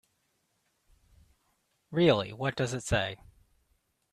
Really, what does it say?